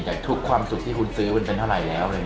แต่ทุกความสุขที่คุณซื้อมันเป็นเท่าไหร่แล้ว